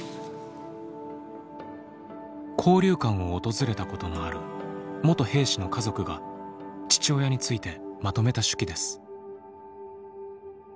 交流館を訪れたことのある元兵士の家族が父親についてまとめた手記です。